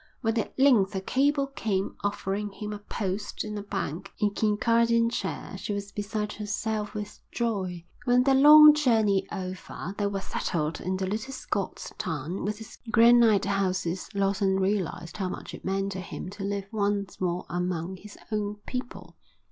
When at length a cable came offering him a post in a bank in Kincardineshire she was beside herself with joy. When, their long journey over, they were settled in the little Scots town with its granite houses Lawson realised how much it meant to him to live once more among his own people.